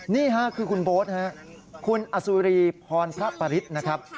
นี่ค่ะคือคุณโบ๊ทคุณอสุรีพรพระปริศนะครับ